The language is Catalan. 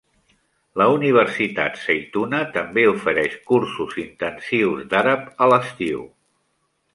La Universitat Zaytuna també ofereix cursos intensius d'àrab a l'estiu.